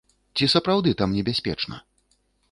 Ці сапраўды там небяспечна?